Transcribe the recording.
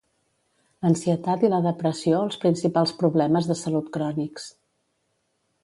L'ansietat i la depressió els principals problemes de salut crònics.